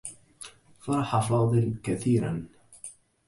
فرح فاضل كثيرا.